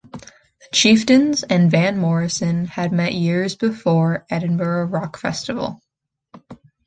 The Chieftains and Van Morrison had met years before at the Edinburgh rock festival.